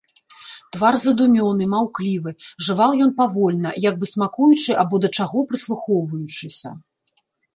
Твар задумёны, маўклівы, жаваў ён павольна, як бы смакуючы або да чаго прыслухоўваючыся.